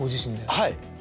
はい。